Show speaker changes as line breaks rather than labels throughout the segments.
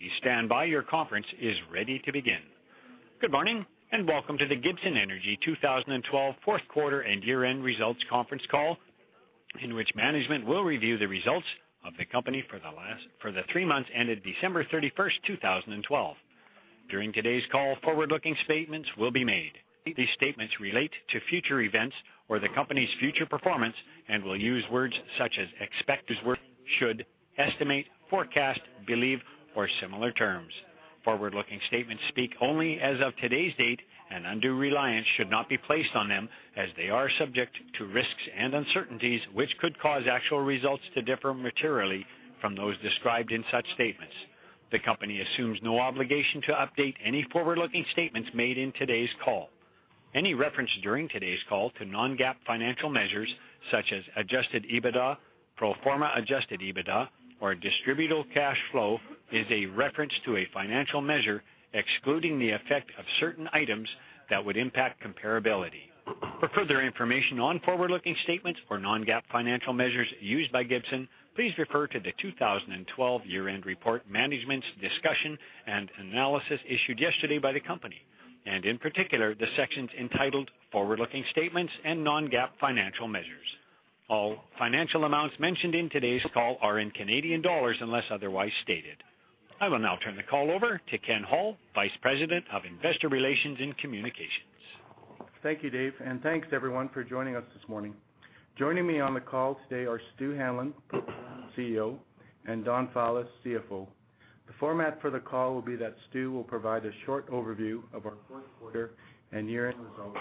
Good morning, and welcome to the Gibson Energy 2012 fourth quarter and year-end results conference call, in which management will review the results of the company for the three months ended December 31st, 2012. During today's call, forward-looking statements will be made. These statements relate to future events or the company's future performance and will use words such as expect, should, estimate, forecast, believe, or similar terms. Forward-looking statements speak only as of today's date, and undue reliance should not be placed on them as they are subject to risks and uncertainties, which could cause actual results to differ materially from those described in such statements. The company assumes no obligation to update any forward-looking statements made in today's call. Any reference during today's call to non-GAAP financial measures such as adjusted EBITDA, pro forma adjusted EBITDA, or distributable cash flow is a reference to a financial measure excluding the effect of certain items that would impact comparability. For further information on forward-looking statements or non-GAAP financial measures used by Gibson, please refer to the 2012 year-end report, management's discussion and analysis issued yesterday by the company. In particular, the sections entitled Forward-Looking Statements and Non-GAAP Financial Measures. All financial amounts mentioned in today's call are in Canadian dollars unless otherwise stated. I will now turn the call over to Ken Hall, Vice President of Investor Relations and Communications.
Thank you, David, and thanks, everyone, for joining us this morning. Joining me on the call today are Stewart Hanlon, CEO, and Donald Fowlis, CFO. The format for the call will be that Stu will provide a short overview of our fourth quarter and year-end results,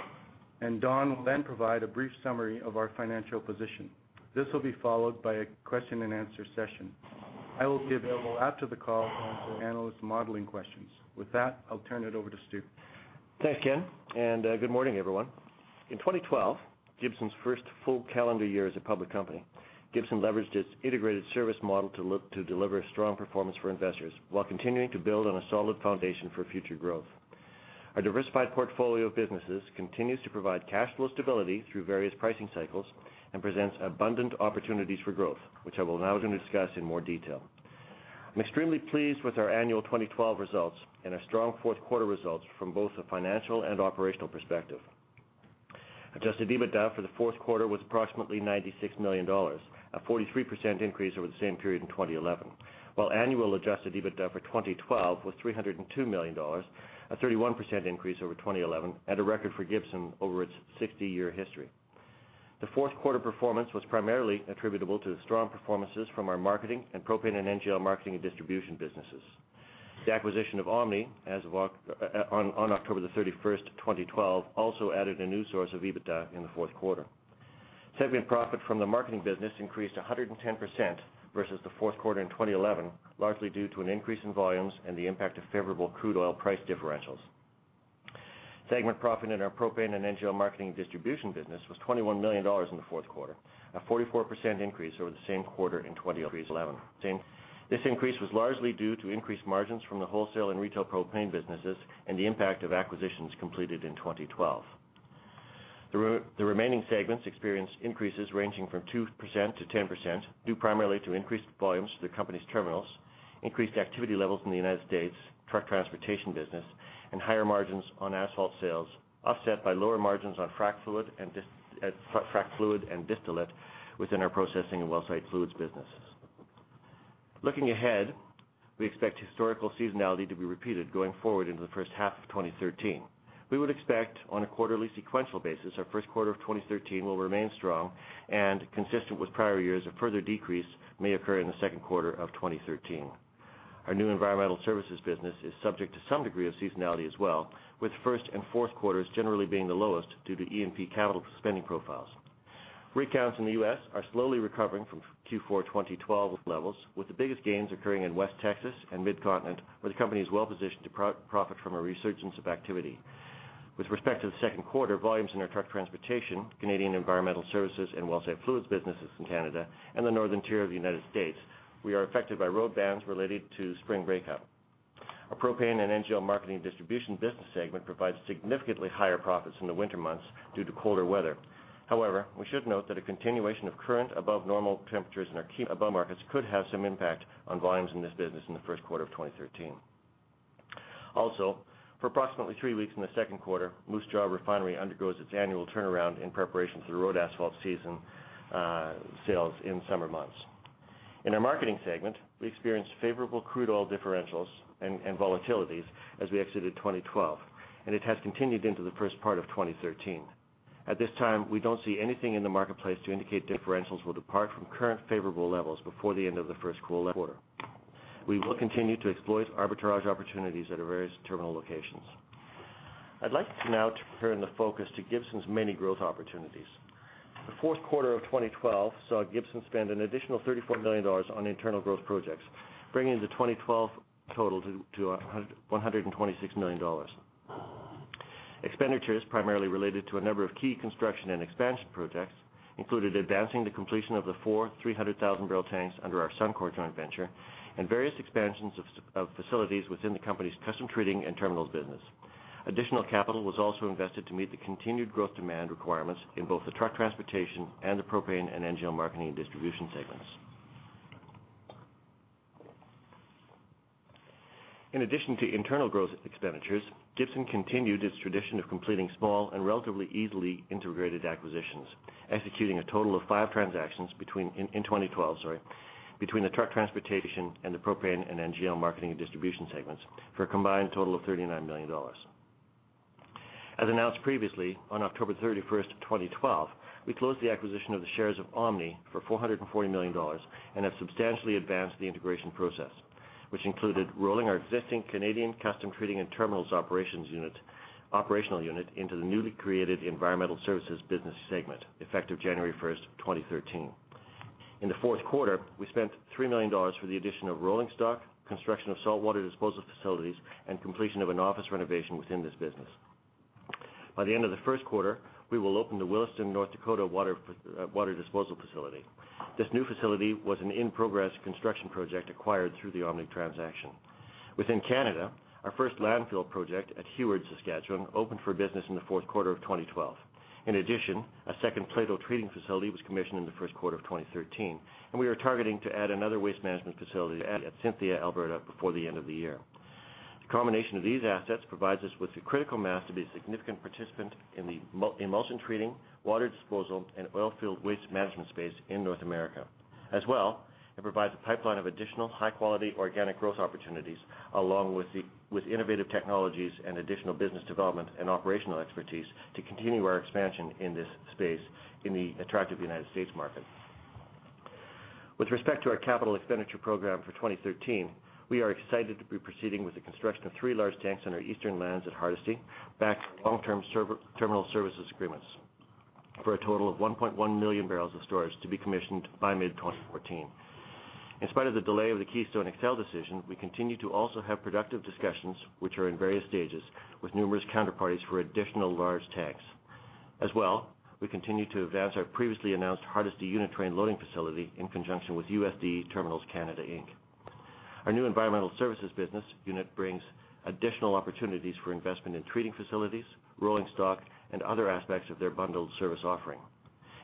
and Don will then provide a brief summary of our financial position. This will be followed by a question and answer session. I will be available after the call to answer analyst modeling questions. With that, I'll turn it over to Stu.
Thanks, Ken, and good morning, everyone. In 2012, Gibson's first full calendar year as a public company, Gibson leveraged its integrated service model to deliver a strong performance for investors while continuing to build on a solid foundation for future growth. Our diversified portfolio of businesses continues to provide cash flow stability through various pricing cycles and presents abundant opportunities for growth, which I will now discuss in more detail. I'm extremely pleased with our annual 2012 results and our strong fourth quarter results from both a financial and operational perspective. Adjusted EBITDA for the fourth quarter was approximately 96 million dollars, a 43% increase over the same period in 2011. While annual adjusted EBITDA for 2012 was 302 million dollars, a 31% increase over 2011 and a record for Gibson over its 60-year history. The fourth quarter performance was primarily attributable to the strong performances from our Marketing and Propane and NGL Marketing and Distribution businesses. The acquisition of OMNI on October 31st, 2012, also added a new source of EBITDA in the fourth quarter. Segment profit from the Marketing business increased 110% versus the fourth quarter in 2011, largely due to an increase in volumes and the impact of favorable crude oil price differentials. Segment profit in our Propane and NGL Marketing and Distribution business was 21 million dollars in the fourth quarter, a 44% increase over the same quarter in 2011. This increase was largely due to increased margins from the wholesale and retail propane businesses and the impact of acquisitions completed in 2012. The remaining segments experienced increases ranging from 2%-10%, due primarily to increased volumes through the company's terminals, increased activity levels in the United States truck transportation business, and higher margins on asphalt sales, offset by lower margins on frac fluid and distillate within our processing and wellsite fluids businesses. Looking ahead, we expect historical seasonality to be repeated going forward into the first half of 2013. We would expect, on a quarterly sequential basis, our first quarter of 2013 will remain strong and consistent with prior years. A further decrease may occur in the second quarter of 2013. Our new environmental services business is subject to some degree of seasonality as well, with first and fourth quarters generally being the lowest due to E&P capital spending profiles. Rig counts in the U.S. are slowly recovering from Q4 2012 levels, with the biggest gains occurring in West Texas and Mid-Continent, where the company is well-positioned to profit from a resurgence of activity. With respect to the second quarter, volumes in our truck transportation, Canadian environmental services, and wellsite fluids businesses in Canada and the northern tier of the United States, we are affected by road bans related to spring breakup. Our propane and NGL marketing distribution business segment provides significantly higher profits in the winter months due to colder weather. However, we should note that a continuation of current above normal temperatures in our key Alberta markets could have some impact on volumes in this business in the first quarter of 2013. For approximately three weeks in the second quarter, Moose Jaw Refinery undergoes its annual turnaround in preparation for the road asphalt season sales in summer months. In our marketing segment, we experienced favorable crude oil differentials and volatilities as we exited 2012, and it has continued into the first part of 2013. At this time, we don't see anything in the marketplace to indicate differentials will depart from current favorable levels before the end of the first quarter. We will continue to exploit arbitrage opportunities at our various terminal locations. I'd like now to turn the focus to Gibson's many growth opportunities. The fourth quarter of 2012 saw Gibson spend an additional 34 million dollars on internal growth projects, bringing the 2012 total to 126 million dollars. Expenditures primarily related to a number of key construction and expansion projects included advancing the completion of the four 300,000-barrel tanks under our Suncor joint venture, and various expansions of facilities within the company's custom treating and terminals business. Additional capital was also invested to meet the continued growth demand requirements in both the truck transportation and the propane and NGL marketing and distribution segments. In addition to internal growth expenditures, Gibson continued its tradition of completing small and relatively easily integrated acquisitions, executing a total of 5 transactions in 2012 between the truck transportation and the propane and NGL marketing and distribution segments for a combined total of 39 million dollars. As announced previously, on October 31st, 2012, we closed the acquisition of the shares of OMNI for 440 million dollars and have substantially advanced the integration process, which included rolling our existing Canadian custom treating and terminals operational unit into the newly created environmental services business segment, effective January 1st, 2013. In the fourth quarter, we spent 3 million dollars for the addition of rolling stock, construction of saltwater disposal facilities, and completion of an office renovation within this business. By the end of the first quarter, we will open the Williston, North Dakota, water disposal facility. This new facility was an in-progress construction project acquired through the OMNI transaction. Within Canada, our first landfill project at Heward, Saskatchewan, opened for business in the fourth quarter of 2012. In addition, a second Plato treating facility was commissioned in the first quarter of 2013, and we are targeting to add another waste management facility at Cynthia, Alberta, before the end of the year. The combination of these assets provides us with the critical mass to be a significant participant in the emulsion treating, water disposal, and oil field waste management space in North America. As well, it provides a pipeline of additional high-quality organic growth opportunities, along with innovative technologies and additional business development and operational expertise to continue our expansion in this space in the attractive United States market. With respect to our capital expenditure program for 2013, we are excited to be proceeding with the construction of three large tanks on our eastern lands at Hardisty, backed by long-term terminal services agreements for a total of 1.1 million barrels of storage to be commissioned by mid-2014. In spite of the delay of the Keystone XL decision, we continue to also have productive discussions, which are in various stages with numerous counterparties for additional large tanks. As well, we continue to advance our previously announced Hardisty unit train loading facility in conjunction with USD Terminals Canada ULC. Our new environmental services business unit brings additional opportunities for investment in treating facilities, rolling stock, and other aspects of their bundled service offering.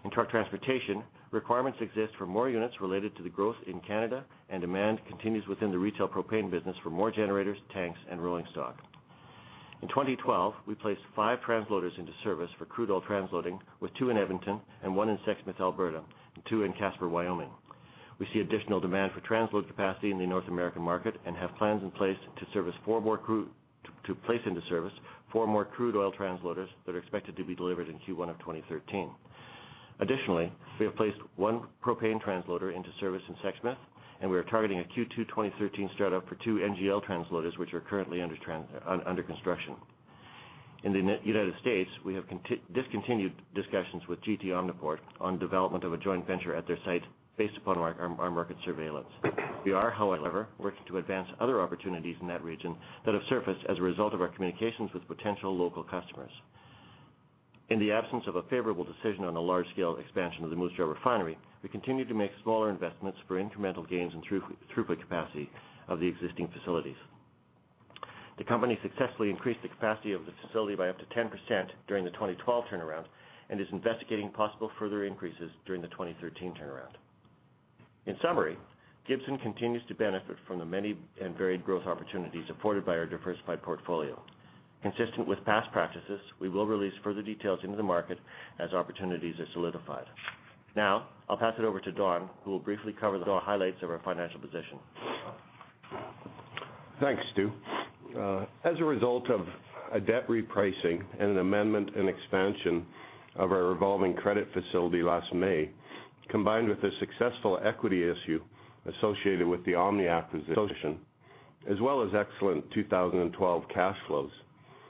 In truck transportation, requirements exist for more units related to the growth in Canada, and demand continues within the retail propane business for more generators, tanks, and rolling stock. In 2012, we placed five transloaders into service for crude oil transloading, with two in Edmonton and one in Sexsmith, Alberta, and two in Casper, Wyoming. We see additional demand for transload capacity in the North American market and have plans in place to place into service four more crude oil transloaders that are expected to be delivered in Q1 of 2013. Additionally, we have placed one propane transloader into service in Sexsmith, and we are targeting a Q2 2013 startup for two NGL transloaders, which are currently under construction. In the United States, we have discontinued discussions with GT OmniPort on development of a joint venture at their site based upon our market surveillance. We are, however, working to advance other opportunities in that region that have surfaced as a result of our communications with potential local customers. In the absence of a favorable decision on the large-scale expansion of the Moose Jaw Refinery, we continue to make smaller investments for incremental gains in throughput capacity of the existing facilities. The company successfully increased the capacity of the facility by up to 10% during the 2012 turnaround and is investigating possible further increases during the 2013 turnaround. In summary, Gibson continues to benefit from the many and varied growth opportunities afforded by our diversified portfolio. Consistent with past practices, we will release further details into the market as opportunities are solidified. Now, I'll pass it over to Don, who will briefly cover the highlights of our financial position.
Thanks, Stu. As a result of a debt repricing and an amendment and expansion of our revolving credit facility last May, combined with the successful equity issue associated with the Omni acquisition, as well as excellent 2012 cash flows,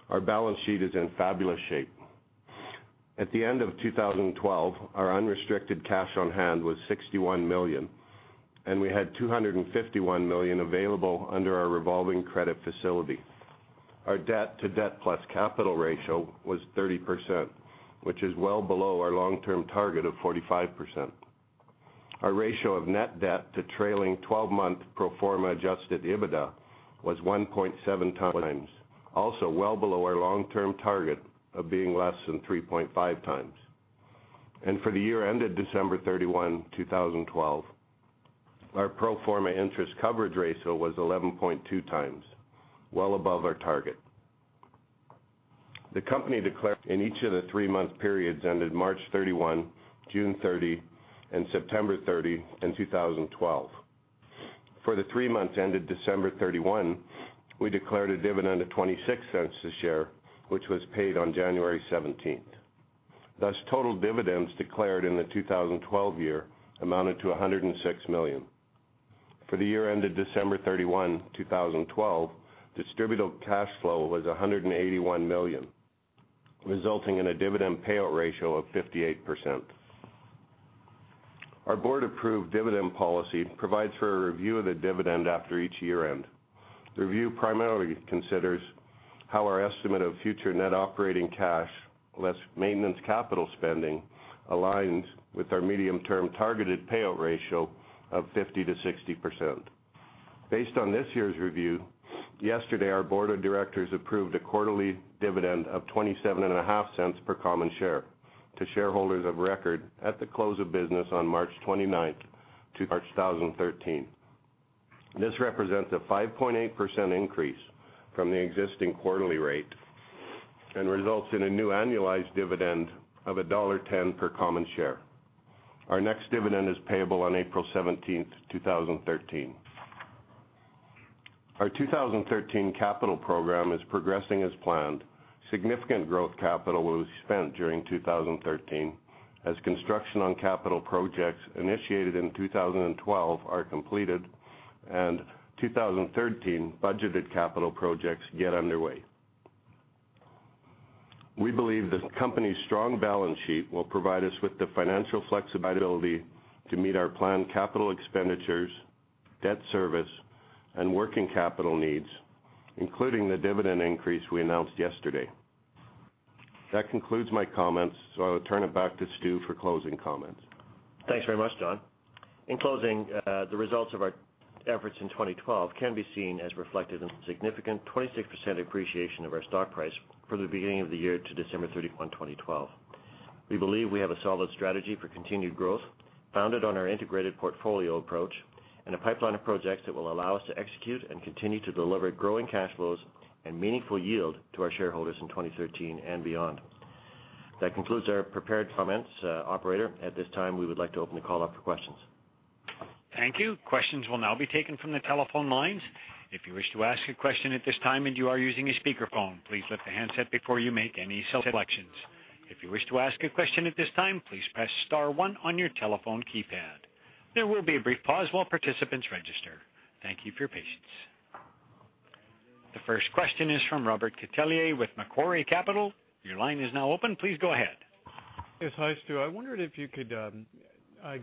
our balance sheet is in fabulous shape. At the end of 2012, our unrestricted cash on hand was 61 million, and we had 251 million available under our revolving credit facility. Our debt to debt plus capital ratio was 30%, which is well below our long-term target of 45%. Our ratio of net debt to trailing 12-month pro forma adjusted EBITDA was 1.7 times, also well below our long-term target of being less than 3.5 times. For the year ended December 31, 2012, our pro forma interest coverage ratio was 11.2 times, well above our target. The company declared dividends in each of the three-month periods ended March 31, June 30, and September 30 in 2012. For the three months ended December 31, we declared a dividend of 0.26 a share, which was paid on January 17th. Thus, total dividends declared in the 2012 year amounted to 106 million. For the year ended December 31, 2012, distributable cash flow was 181 million, resulting in a dividend payout ratio of 58%. Our board-approved dividend policy provides for a review of the dividend after each year-end. The review primarily considers how our estimate of future net operating cash less maintenance capital spending aligns with our medium-term targeted payout ratio of 50%-60%. Based on this year's review, yesterday, our board of directors approved a quarterly dividend of 0.275 per common share. To shareholders of record at the close of business on March 29th, 2013. This represents a 5.8% increase from the existing quarterly rate and results in a new annualized dividend of dollar 1.10 per common share. Our next dividend is payable on April 17th, 2013. Our 2013 capital program is progressing as planned. Significant growth capital was spent during 2013 as construction on capital projects initiated in 2012 are completed and 2013 budgeted capital projects get underway. We believe the company's strong balance sheet will provide us with the financial flexibility to meet our planned capital expenditures, debt service, and working capital needs, including the dividend increase we announced yesterday. That concludes my comments, so I will turn it back to Stu for closing comments.
Thanks very much, Don. In closing, the results of our efforts in 2012 can be seen as reflected in the significant 26% appreciation of our stock price from the beginning of the year to December 31, 2012. We believe we have a solid strategy for continued growth, founded on our integrated portfolio approach and a pipeline of projects that will allow us to execute and continue to deliver growing cash flows and meaningful yield to our shareholders in 2013 and beyond. That concludes our prepared comments. Operator, at this time, we would like to open the call up for questions.
Thank you. Questions will now be taken from the telephone lines. If you wish to ask a question at this time and you are using a speakerphone, please lift the handset before you make any selections. If you wish to ask a question at this time, please press star one on your telephone keypad. There will be a brief pause while participants register. Thank you for your patience. The first question is from Robert Catellier with Macquarie Capital. Your line is now open. Please go ahead.
Yes. Hi, Stu. I wondered if you could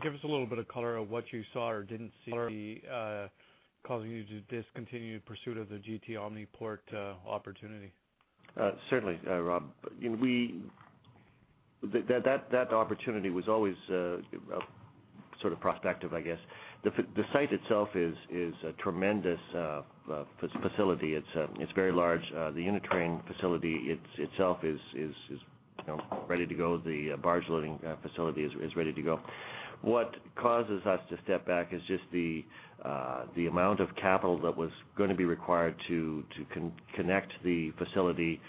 give us a little bit of color on what you saw or didn't see causing you to discontinue pursuit of the GT OmniPort opportunity.
Certainly, Rob. That opportunity was always sort of prospective, I guess. The site itself is a tremendous facility. It's very large. The unit train facility itself is ready to go. The barge loading facility is ready to go. What causes us to step back is just the amount of capital that was going to be required to connect the facility,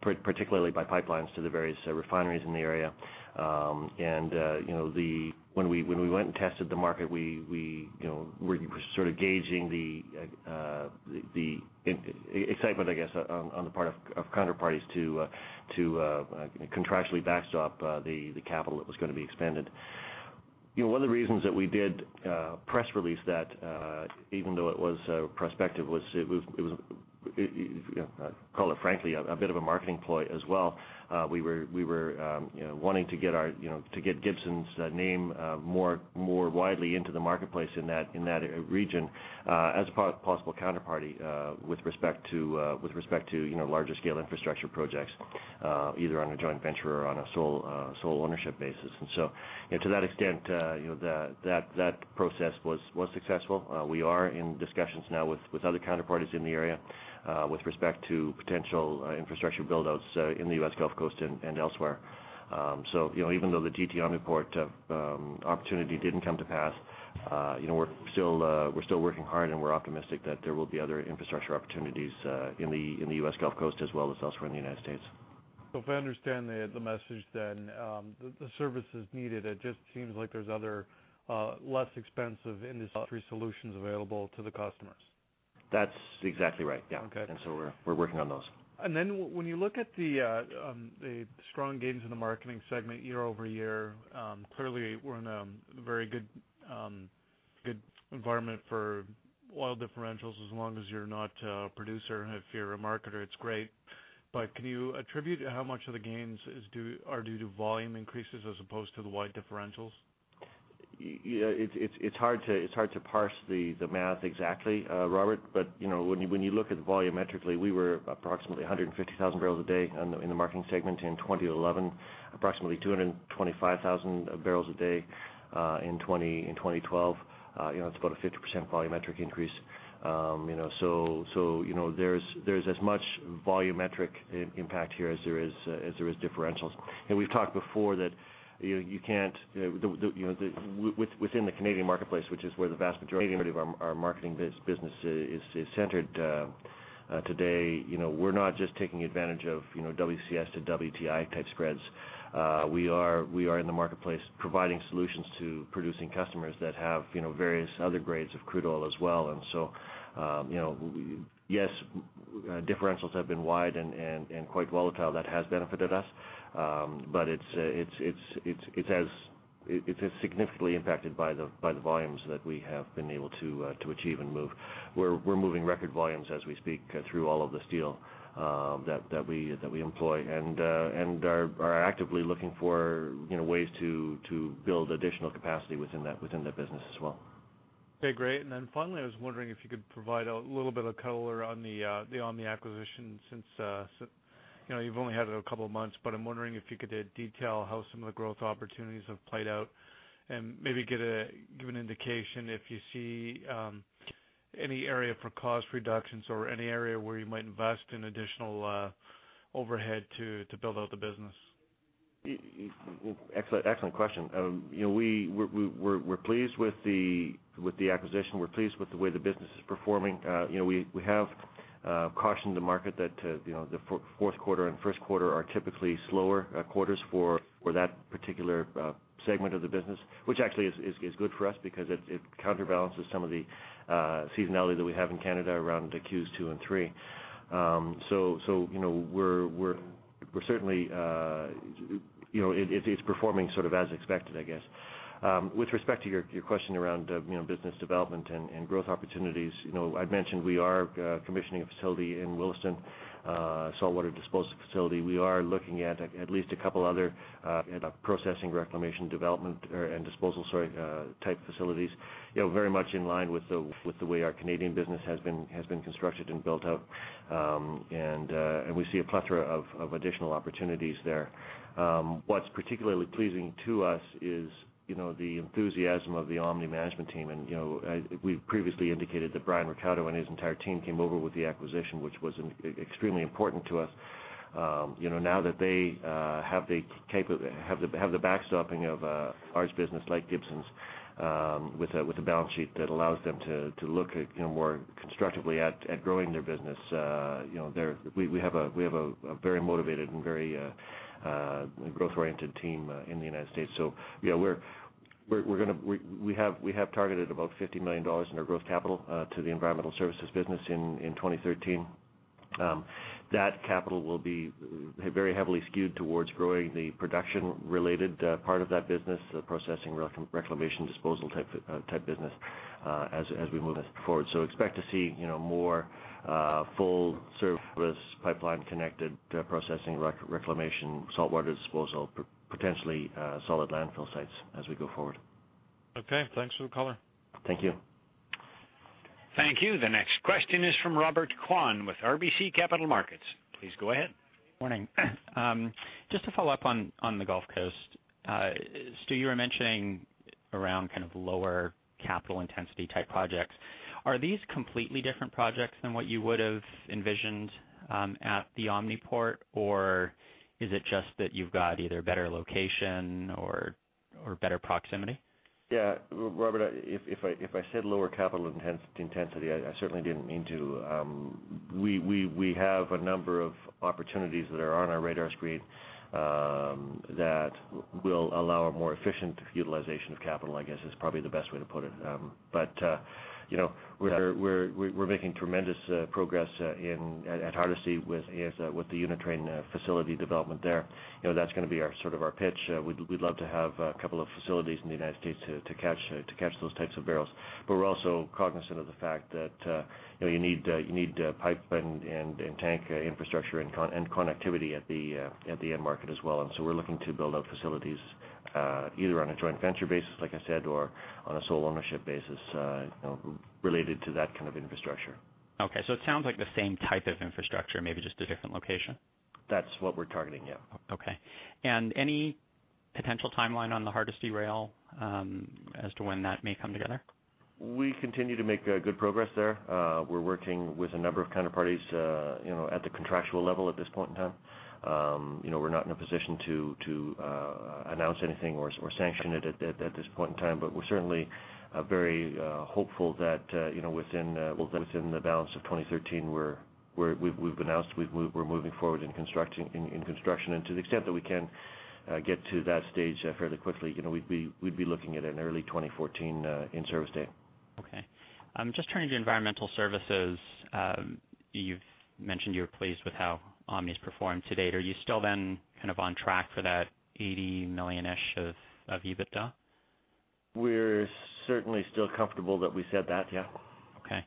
particularly by pipelines to the various refineries in the area. When we went and tested the market, we were sort of gauging the excitement, I guess, on the part of counterparties to contractually backstop the capital that was going to be expended. One of the reasons that we did press release that even though it was prospective, was it was, call it frankly, a bit of a marketing ploy as well. We were wanting to get Gibson's name more widely into the marketplace in that region as a possible counterparty with respect to larger scale infrastructure projects, either on a joint venture or on a sole ownership basis. To that extent, that process was successful. We are in discussions now with other counterparties in the area with respect to potential infrastructure build-outs in the U.S. Gulf Coast and elsewhere. Even though the GT OmniPort opportunity didn't come to pass, we're still working hard and we're optimistic that there will be other infrastructure opportunities in the U.S. Gulf Coast as well as elsewhere in the United States.
If I understand the message then, the service is needed. It just seems like there's other, less expensive industry solutions available to the customers.
That's exactly right. Yeah.
Okay.
We're working on those.
Then when you look at the strong gains in the marketing segment year-over-year, clearly we're in a very good environment for oil differentials as long as you're not a producer. If you're a marketer, it's great. Can you attribute how much of the gains are due to volume increases as opposed to the wide differentials?
It's hard to parse the math exactly, Robert, but when you look at it volumetrically, we were approximately 150,000 barrels a day in the marketing segment in 2011. Approximately 225,000 barrels a day in 2012. It's about a 50% volumetric increase. There's as much volumetric impact here as there is differentials. We've talked before that within the Canadian marketplace, which is where the vast majority of our marketing business is centered today, we're not just taking advantage of WCS to WTI type spreads. We are in the marketplace providing solutions to producing customers that have various other grades of crude oil as well. Yes, differentials have been wide and quite volatile. That has benefited us. It is significantly impacted by the volumes that we have been able to achieve and move. We're moving record volumes as we speak through all of the steel that we employ and are actively looking for ways to build additional capacity within that business as well.
Okay, great. Finally, I was wondering if you could provide a little bit of color on the OMNI acquisition since you've only had it a couple of months. I'm wondering if you could detail how some of the growth opportunities have played out and maybe give an indication if you see any area for cost reductions or any area where you might invest in additional overhead to build out the business?
Excellent question. We're pleased with the acquisition. We're pleased with the way the business is performing. We have cautioned the market that the fourth quarter and first quarter are typically slower quarters for that particular segment of the business, which actually is good for us because it counterbalances some of the seasonality that we have in Canada around the Q2 and Q3. It's performing sort of as expected, I guess. With respect to your question around business development and growth opportunities, I'd mentioned we are commissioning a facility in Williston, saltwater disposal facility. We are looking at least a couple other processing, reclamation, development, and disposal type facilities, very much in line with the way our Canadian business has been constructed and built out. We see a plethora of additional opportunities there. What's particularly pleasing to us is the enthusiasm of the OMNI management team. We've previously indicated that Brian Recatto and his entire team came over with the acquisition, which was extremely important to us. Now that they have the backstopping of a large business like Gibson's, with a balance sheet that allows them to look more constructively at growing their business. We have a very motivated and very growth-oriented team in the United States. We have targeted about $50 million in our growth capital, to the environmental services business in 2013. That capital will be very heavily skewed towards growing the production related part of that business, the processing, reclamation, disposal type business, as we move forward. Expect to see more full service pipeline connected, processing, reclamation, saltwater disposal, potentially, solid landfill sites as we go forward.
Okay. Thanks for the color.
Thank you.
Thank you. The next question is from Robert Kwan with RBC Capital Markets. Please go ahead.
Morning. Just to follow up on the Gulf Coast. Stu, you were mentioning around kind of lower capital intensity type projects. Are these completely different projects than what you would have envisioned at the GT OmniPort, or is it just that you've got either better location or better proximity?
Yeah. Robert, if I said lower capital intensity, I certainly didn't mean to. We have a number of opportunities that are on our radar screen, that will allow a more efficient utilization of capital, I guess, is probably the best way to put it. We're making tremendous progress at Hardisty with the unit train facility development there. That's gonna be our sort of pitch. We'd love to have a couple of facilities in the United States to catch those types of barrels. We're also cognizant of the fact that you need pipe and tank infrastructure and connectivity at the end market as well. We're looking to build out facilities, either on a joint venture basis, like I said, or on a sole ownership basis, related to that kind of infrastructure.
Okay. It sounds like the same type of infrastructure, maybe just a different location.
That's what we're targeting, yeah.
Okay. Any potential timeline on the Hardisty Rail, as to when that may come together?
We continue to make good progress there. We're working with a number of counterparties at the contractual level at this point in time. We're not in a position to announce anything or sanction it at this point in time. We're certainly very hopeful that within the balance of 2013, we've announced we're moving forward in construction. To the extent that we can get to that stage fairly quickly, we'd be looking at an early 2014 in-service day.
Okay. Just turning to environmental services. You've mentioned you're pleased with how Omni's performed to date. Are you still then on track for that 80 million-ish of EBITDA?
We're certainly still comfortable that we said that, yeah.
Okay.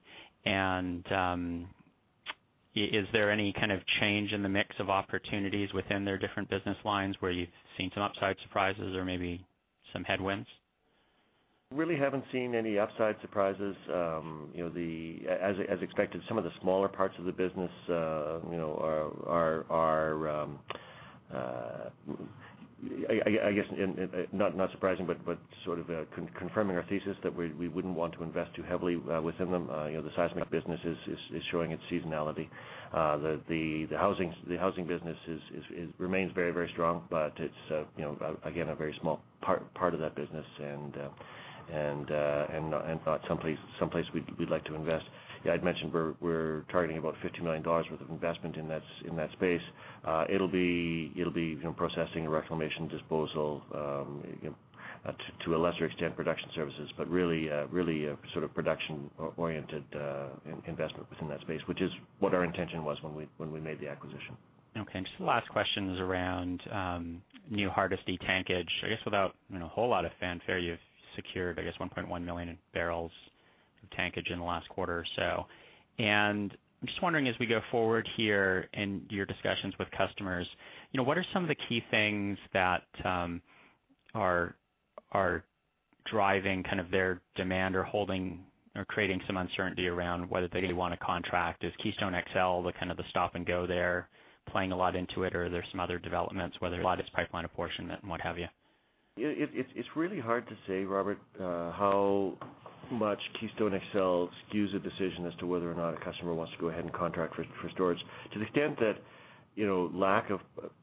Is there any kind of change in the mix of opportunities within their different business lines where you've seen some upside surprises or maybe some headwinds?
Really haven't seen any upside surprises. As expected, some of the smaller parts of the business are, I guess, not surprising, but sort of confirming our thesis that we wouldn't want to invest too heavily within them. The seismic business is showing its seasonality. The housing business remains very strong, but it's, again, a very small part of that business and not someplace we'd like to invest. Yeah, I'd mentioned we're targeting about 50 million dollars worth of investment in that space. It'll be processing, reclamation, disposal, to a lesser extent, production services, but really sort of production oriented investment within that space, which is what our intention was when we made the acquisition.
Okay. Just the last question is around new Hardisty tankage. I guess without a whole lot of fanfare, you've secured, I guess, 1.1 million barrels of tankage in the last quarter or so. I'm just wondering, as we go forward here and your discussions with customers, what are some of the key things that are driving their demand or holding or creating some uncertainty around whether they want to contract? Is Keystone XL the stop and go there playing a lot into it, or are there some other developments, whether a lot of it's pipeline apportionment and what have you?
It's really hard to say, Robert, how much Keystone XL skews a decision as to whether or not a customer wants to go ahead and contract for storage. To the extent that lack of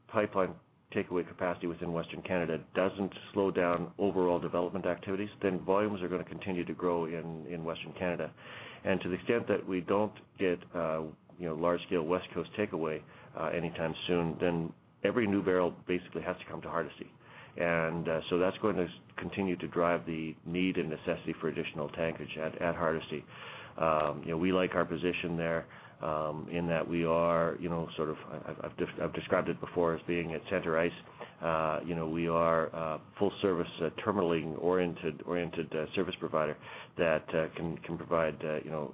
pipeline takeaway capacity within Western Canada doesn't slow down overall development activities, then volumes are going to continue to grow in Western Canada. To the extent that we don't get large-scale West Coast takeaway anytime soon, then every new barrel basically has to come to Hardisty. That's going to continue to drive the need and necessity for additional tankage at Hardisty. We like our position there, in that we are sort of, I've described it before as being at center ice. We are a full-service, terminalling-oriented service provider that can provide the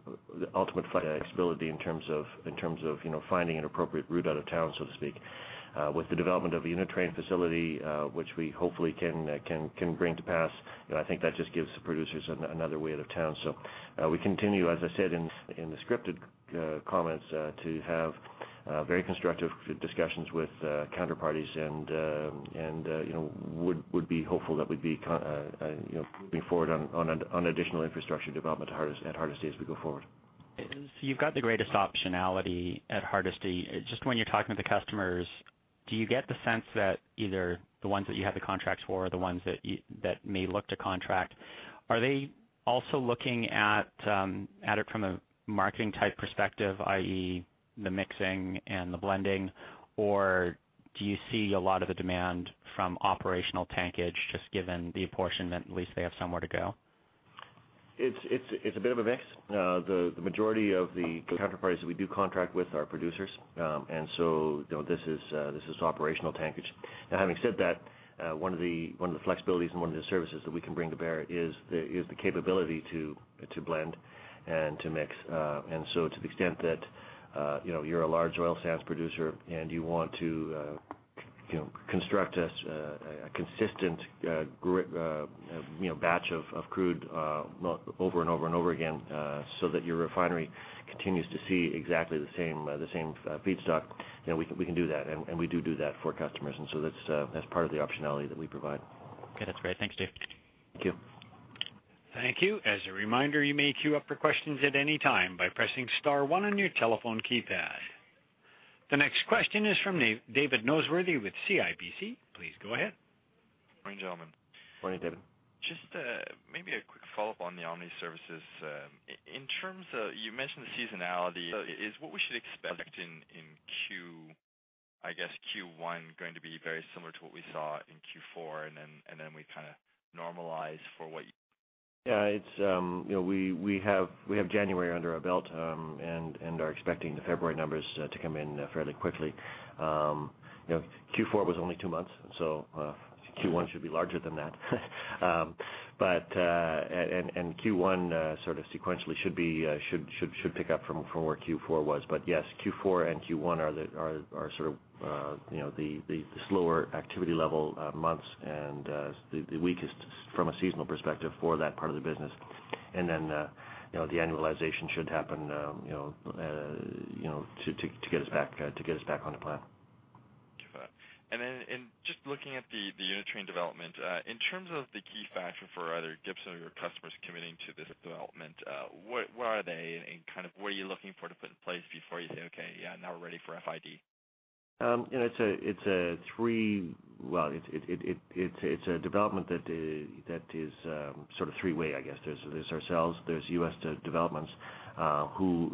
ultimate flexibility in terms of finding an appropriate route out of town, so to speak. With the development of the unit train facility, which we hopefully can bring to pass, I think that just gives the producers another way out of town. We continue, as I said in the scripted comments, to have very constructive discussions with counterparties and would be hopeful that we'd be moving forward on additional infrastructure development at Hardisty as we go forward.
You've got the greatest optionality at Hardisty. Just when you're talking to the customers, do you get the sense that either the ones that you have the contracts for or the ones that may look to contract, are they also looking at it from a marketing-type perspective, i.e., the mixing and the blending, or do you see a lot of the demand from operational tankage just given the portion that at least they have somewhere to go?
It's a bit of a mix. The majority of the counterparties that we do contract with are producers. This is operational tankage. Now, having said that, one of the flexibilities and one of the services that we can bring to bear is the capability to blend and to mix. To the extent that you're a large oil sands producer and you want to construct a consistent batch of crude over and over again, so that your refinery continues to see exactly the same feedstock, we can do that, and we do that for customers. That's part of the optionality that we provide.
Okay. That's great. Thanks to you.
Thank you.
Thank you. As a reminder, you may queue up for questions at any time by pressing *1 on your telephone keypad. The next question is from David Noseworthy with CIBC. Please go ahead.
Morning, gentlemen.
Morning, David.
Just maybe a quick follow-up on the OMNI services. You mentioned the seasonality. Is what we should expect in, I guess, Q1, going to be very similar to what we saw in Q4, and then we kind of normalize for what-
Yeah. We have January under our belt, and are expecting the February numbers to come in fairly quickly. Q4 was only 2 months, and so Q1 should be larger than that. Q1 sort of sequentially should pick up from where Q4 was. Yes, Q4 and Q1 are sort of the slower activity level months and the weakest from a seasonal perspective for that part of the business. Then the annualization should happen to get us back on to plan.
Just looking at the unit train development, in terms of the key factor for either Gibson or your customers committing to this development, where are they and what are you looking for to put in place before you say, "Okay. Yeah. Now we're ready for FID?
It's a development that is sort of three-way, I guess. There's ourselves, there's U.S. Development Group.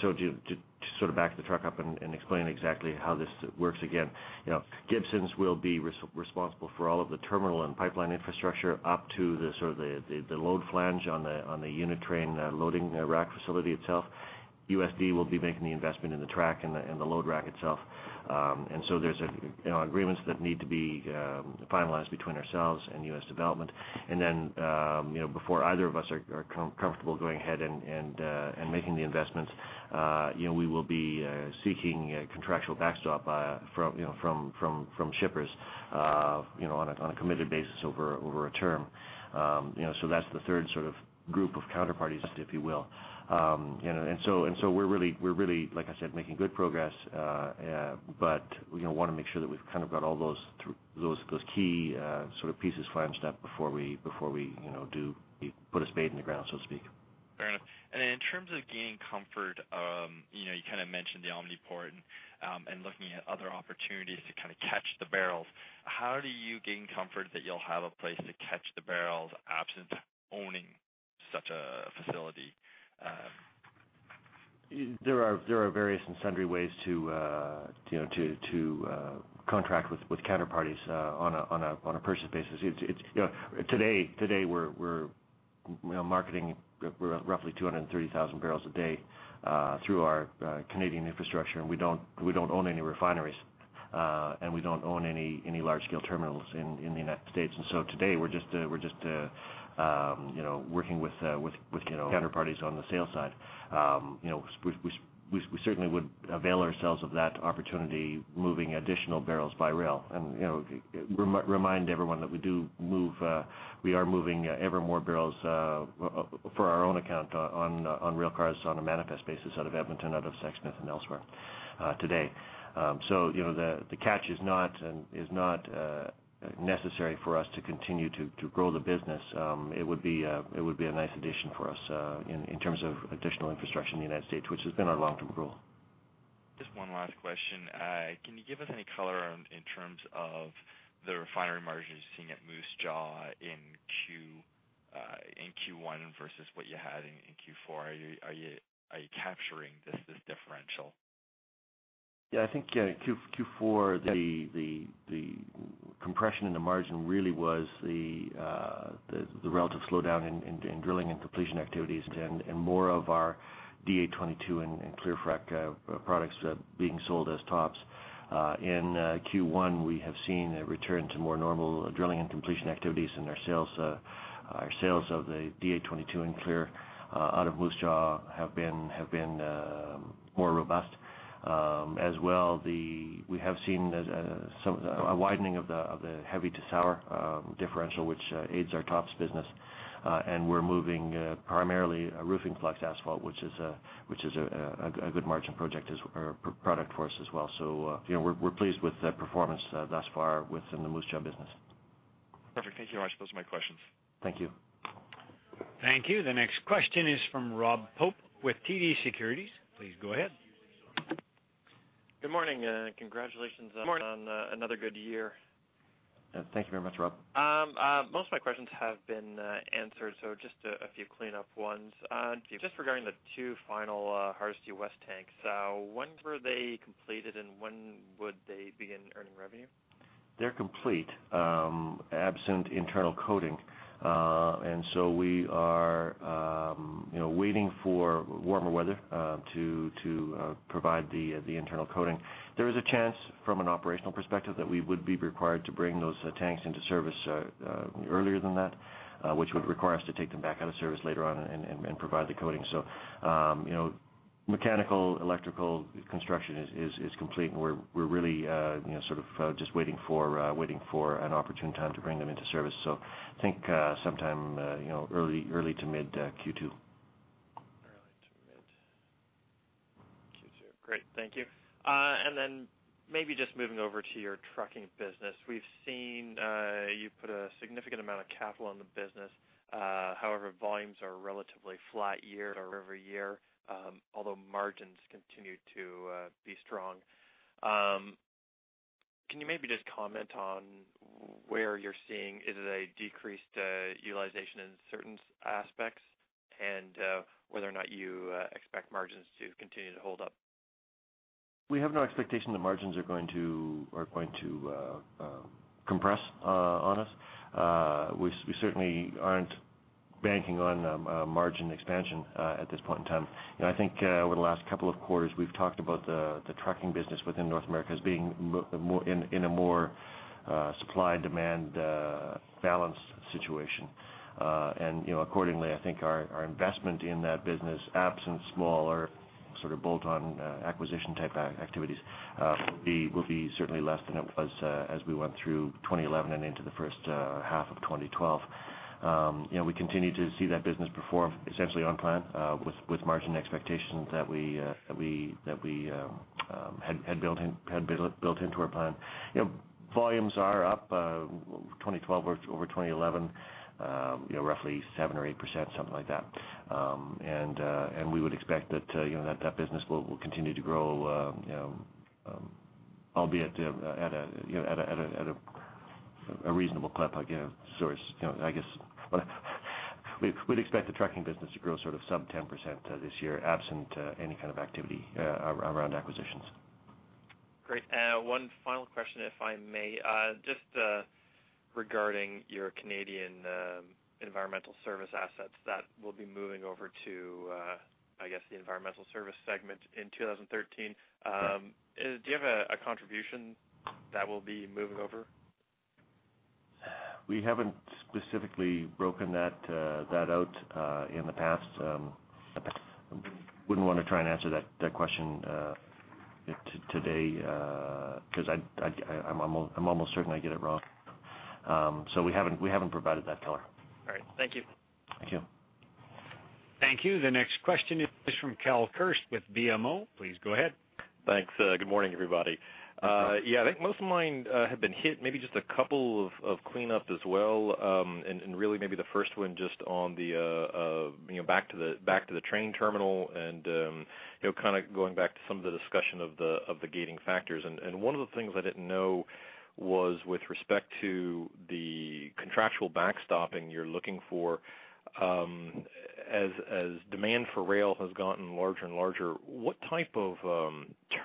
To sort of back the truck up and explain exactly how this works again. Gibson will be responsible for all of the terminal and pipeline infrastructure up to the load flange on the unit train loading rack facility itself. USD will be making the investment in the track and the load rack itself. There's agreements that need to be finalized between ourselves and U.S. Development Group. Before either of us are comfortable going ahead and making the investments, we will be seeking a contractual backstop from shippers on a committed basis over a term. That's the third sort of group of counterparties, if you will. We're really, like I said, making good progress. We want to make sure that we've kind of got all those key sort of pieces fleshed out before we put a spade in the ground, so to speak.
Fair enough. In terms of gaining comfort, you kind of mentioned the GT OmniPort and looking at other opportunities to catch the barrels. How do you gain comfort that you'll have a place to catch the barrels absent owning such a facility?
There are various and sundry ways to contract with counterparties on a person basis. Today, we're marketing roughly 230,000 barrels a day through our Canadian infrastructure, and we don't own any refineries. We don't own any large-scale terminals in the United States. Today we're just working with counterparties on the sales side. We certainly would avail ourselves of that opportunity, moving additional barrels by rail, and remind everyone that we are moving ever more barrels for our own account on rail cars on a manifest basis out of Edmonton, out of Sexsmith and elsewhere today. The catch is not necessary for us to continue to grow the business. It would be a nice addition for us in terms of additional infrastructure in the United States, which has been our long-term goal.
Just one last question. Can you give us any color in terms of the refinery margins seen at Moose Jaw in Q1 versus what you had in Q4? Are you capturing this differential?
Yeah, I think Q4, the compression in the margin really was the relative slowdown in drilling and completion activities and more of our DA-22 and Clearfrac products being sold as tops. In Q1, we have seen a return to more normal drilling and completion activities in our sales. Our sales of the DA-22 and Clearfrac out of Moose Jaw have been more robust. As well, we have seen a widening of the heavy-to-sour differential, which aids our tops business. We're moving primarily roofing flux asphalt, which is a good margin product for us as well. We're pleased with the performance thus far within the Moose Jaw business.
Perfect. Thank you, Guys. Those are my questions.
Thank you.
Thank you. The next question is from Rob Hope with TD Securities. Please go ahead.
Good morning, and congratulations.
Good morning.
on another good year.
Thank you very much, Rob.
Most of my questions have been answered, so just a few cleanup ones.
Okay.
Just regarding the two final Hardisty West tanks, when were they completed, and when would they begin earning revenue?
They're complete, absent internal coating. We are waiting for warmer weather to provide the internal coating. There is a chance, from an operational perspective, that we would be required to bring those tanks into service earlier than that, which would require us to take them back out of service later on and provide the coating. Mechanical, electrical construction is complete, and we're really just waiting for an opportune time to bring them into service. I think sometime early to mid Q2.
Early to mid Q2. Great. Thank you. Maybe just moving over to your trucking business. We've seen you put a significant amount of capital in the business. However, volumes are relatively flat year-over-year, although margins continue to be strong. Can you maybe just comment on where you're seeing, is it a decreased utilization in certain aspects and whether or not you expect margins to continue to hold up?
We have no expectation that margins are going to compress on us. We certainly aren't banking on margin expansion at this point in time. I think over the last couple of quarters, we've talked about the trucking business within North America as being in a more supply/demand balanced situation. Accordingly, I think our investment in that business, absent smaller sort of bolt-on acquisition type activities, will be certainly less than it was as we went through 2011 and into the first half of 2012. We continue to see that business perform essentially on plan with margin expectations that we had built into our plan. Volumes are up 2012 over 2011, roughly 7%-8%, something like that. We would expect that that business will continue to grow, albeit at a reasonable clip. We'd expect the trucking business to grow sort of sub 10% this year, absent any kind of activity around acquisitions.
Great. One final question, if I may. Just regarding your Canadian environmental service assets that will be moving over to, I guess, the environmental service segment in 2013.
Yes.
Do you have a contribution that will be moving over?
We haven't specifically broken that out in the past. Wouldn't want to try and answer that question today, because I'm almost certain I'd get it wrong. We haven't provided that color.
All right. Thank you.
Thank you.
Thank you. The next question is from Carl Kirst with BMO. Please go ahead.
Thanks. Good morning, everybody.
Good morning.
Yeah, I think most of mine have been hit. Maybe just a couple of cleanup as well. Really maybe the first one just on the back to the transloading terminal and kind of going back to some of the discussion of the gating factors. One of the things I didn't know was with respect to the contractual backstopping you're looking for. As demand for rail has gotten larger and larger, what type of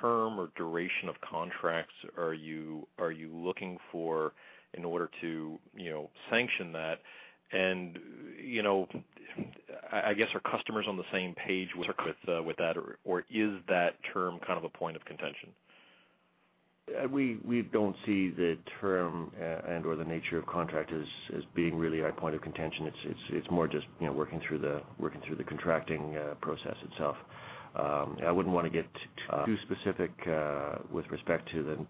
term or duration of contracts are you looking for in order to sanction that? I guess, are customers on the same page with that, or is that term kind of a point of contention?
We don't see the term and/or the nature of contract as being really our point of contention. It's more just working through the contracting process itself. I wouldn't want to get too specific with respect to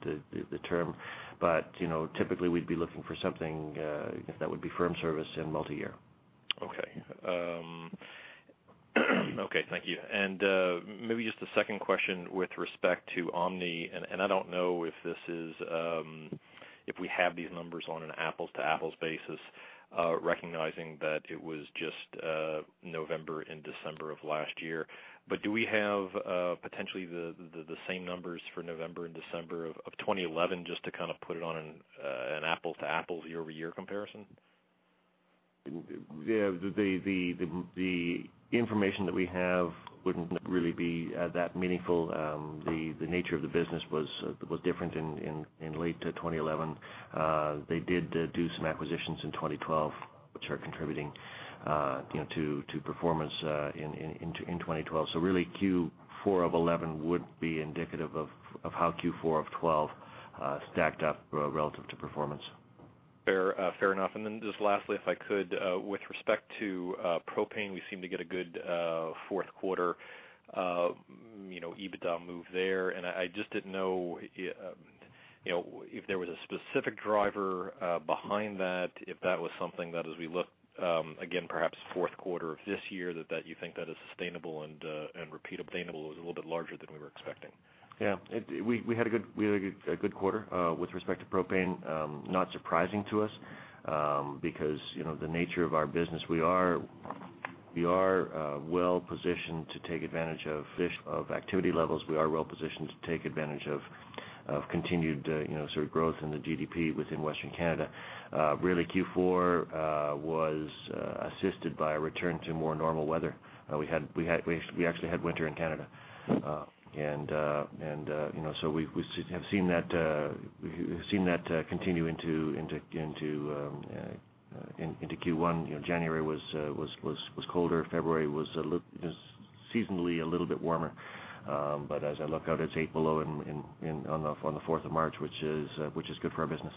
the term, but typically, we'd be looking for something that would be firm service and multi-year.
Okay. Okay. Thank you. Maybe just a second question with respect to OMNI, and I don't know if we have these numbers on an apples-to-apples basis, recognizing that it was just November and December of last year. Do we have potentially the same numbers for November and December of 2011, just to put it on an apples-to-apples year-over-year comparison?
The information that we have wouldn't really be that meaningful. The nature of the business was different in late 2011. They did do some acquisitions in 2012, which are contributing to performance in 2012. Really, Q4 of 2011 would be indicative of how Q4 of 2012 stacked up relative to performance.
Fair enough. Then just lastly, if I could, with respect to propane, we seem to get a good fourth quarter EBITDA move there. I just didn't know if there was a specific driver behind that. If that was something that as we look, again, perhaps fourth quarter of this year, that you think that is sustainable and repeatable. It was a little bit larger than we were expecting.
Yeah. We had a good quarter with respect to propane. Not surprising to us. Because the nature of our business, we are well-positioned to take advantage of activity levels. We are well-positioned to take advantage of continued sort of growth in the GDP within Western Canada. Really, Q4 was assisted by a return to more normal weather. We actually had winter in Canada. We have seen that continue into Q1. January was colder. February was seasonally a little bit warmer. As I look out, it's 8 below on the 4th of March, which is good for our business.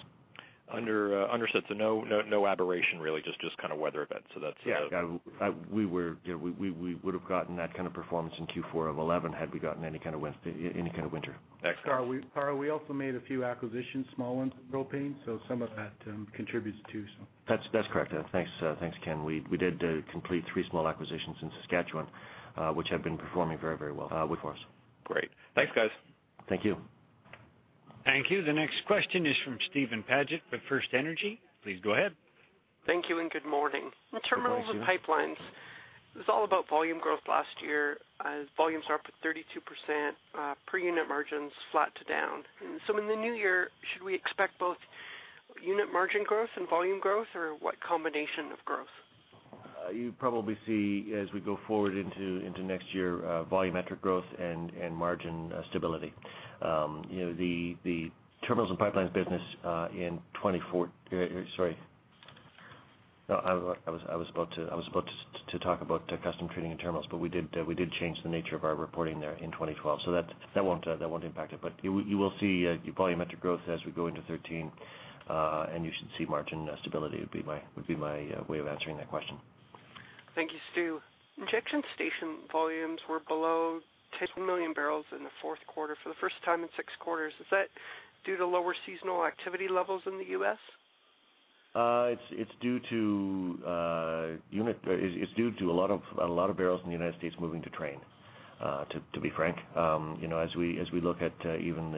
Understood. No aberration, really. Just kind of weather event. That's the.
Yeah. We would've gotten that kind of performance in Q4 of 2011, had we gotten any kind of winter.
Excellent.
Carl, we also made a few acquisitions, small ones, with propane, so some of that contributes, too.
That's correct. Thanks, Ken. We did complete three small acquisitions in Saskatchewan, which have been performing very well with us.
Great. Thanks, guys.
Thank you.
Thank you. The next question is from Steven Paget with FirstEnergy Capital. Please go ahead.
Thank you and good morning.
Good morning.
Terminals and pipelines. It was all about volume growth last year, as volumes are up at 32%, per unit margins flat to down. In the new year, should we expect both unit margin growth and volume growth, or what combination of growth?
You probably see, as we go forward into next year, volumetric growth and margin stability. The terminals and pipelines business. No, I was about to talk about custom treating and terminals, but we did change the nature of our reporting there in 2012. That won't impact it, but you will see volumetric growth as we go into 2013. You should see margin stability, would be my way of answering that question.
Thank you, Stu. Injection station volumes were below 10 million barrels in the fourth quarter for the first time in six quarters. Is that due to lower seasonal activity levels in the U.S.?
It's due to a lot of barrels in the United States moving to train, to be frank. As we look at even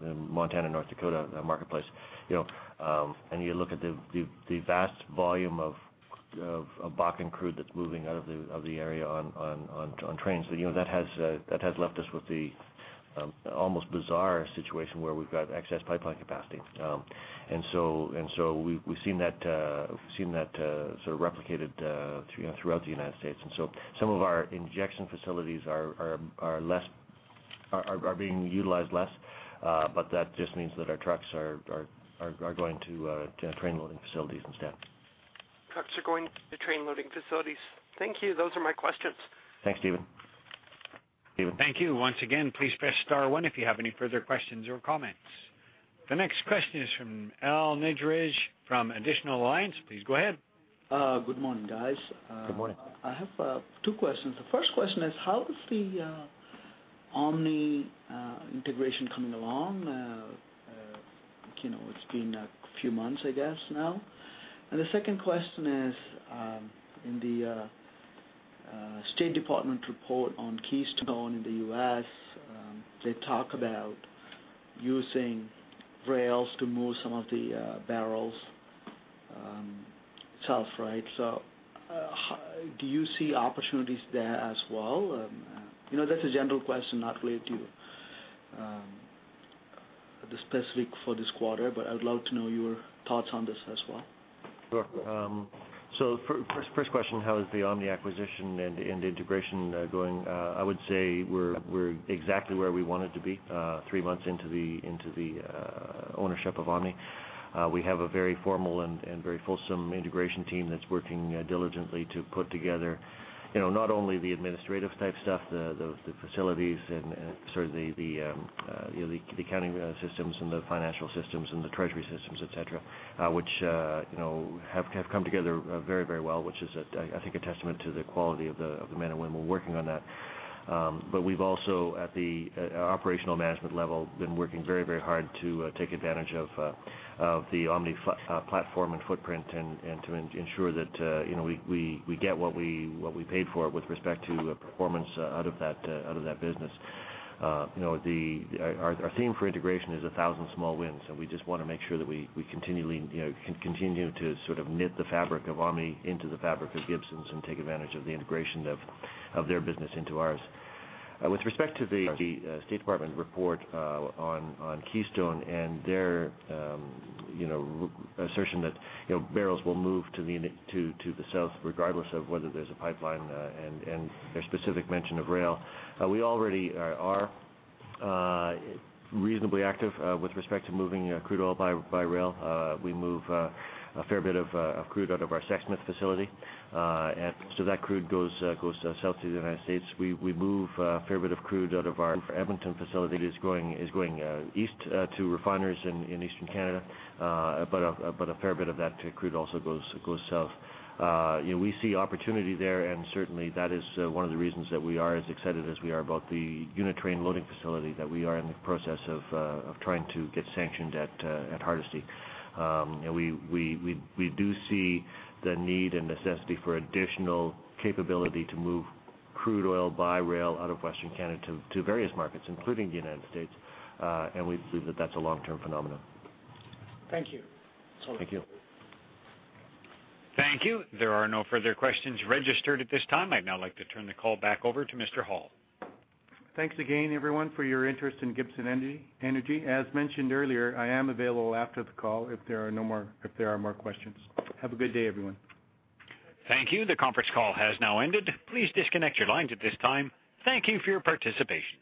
the Montana, North Dakota marketplace, and you look at the vast volume of Bakken crude that's moving out of the area on trains. That has left us with the almost bizarre situation where we've got excess pipeline capacity. We've seen that sort of replicated throughout the United States. Some of our injection facilities are being utilized less. That just means that our trucks are going to train loading facilities instead.
Trucks are going to train loading facilities. Thank you. Those are my questions.
Thanks, Steven.
Thank you. Once again, please press star one if you have any further questions or comments. The next question is from [ Aly Neigerich] from [Additional Lines]. Please go ahead.
Good morning, guys.
Good morning.
I have two questions. The first question is, how is the OMNI integration coming along? It's been a few months, I guess, now. The second question is, in the State Department report on Keystone in the U.S., they talk about using rails to move some of the barrels south. Do you see opportunities there as well? That's a general question, not related to the specifics for this quarter, but I would love to know your thoughts on this as well.
Sure. First question, how is the Omni acquisition and integration going? I would say we're exactly where we wanted to be three months into the ownership of Omni. We have a very formal and very fulsome integration team that's working diligently to put together, not only the administrative type stuff, the facilities, and sort of the accounting systems and the financial systems, and the treasury systems, et cetera, which have come together very well. Which is, I think, a testament to the quality of the men and women working on that. We've also, at the operational management level, been working very hard to take advantage of the Omni platform and footprint and to ensure that we get what we paid for with respect to performance out of that business. Our theme for integration is a thousand small wins, and we just want to make sure that we continually can continue to sort of knit the fabric of Omni into the fabric of Gibson's and take advantage of the integration of their business into ours. With respect to the U.S. Department of State report on Keystone and their assertion that barrels will move to the south, regardless of whether there's a pipeline and their specific mention of rail, we already are reasonably active with respect to moving crude oil by rail. We move a fair bit of crude out of our Sexsmith facility. That crude goes south to the United States. We move a fair bit of crude out of our Edmonton facility that is going east to refineries in eastern Canada. A fair bit of that crude also goes south. We see opportunity there, and certainly that is one of the reasons that we are as excited as we are about the unit train loading facility that we are in the process of trying to get sanctioned at Hardisty. We do see the need and necessity for additional capability to move crude oil by rail out of Western Canada to various markets, including the United States. We believe that that's a long-term phenomenon.
Thank you.
Thank you.
Thank you. There are no further questions registered at this time. I'd now like to turn the call back over to Mr. Hall.
Thanks again, everyone, for your interest in Gibson Energy. As mentioned earlier, I am available after the call if there are more questions. Have a good day, everyone.
Thank you. The conference call has now ended. Please disconnect your lines at this time. Thank you for your participation.